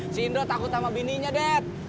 si indro takut sama bininya dad